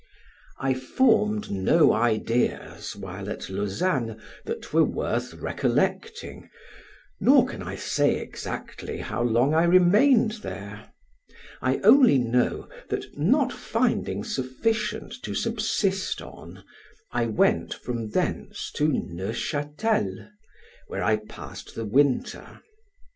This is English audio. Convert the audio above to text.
I formed no ideas, while at Lausanne, that were worth recollecting, nor can I say exactly how long I remained there; I only know that not finding sufficient to subsist on, I went from thence to Neutchatel, where I passed the winter.